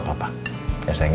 ada apa kok ketemu sama nino